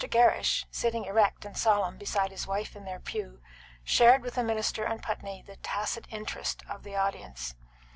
Gerrish, sitting erect and solemn beside his wife in their pew, shared with the minister and Putney the tacit interest of the audience.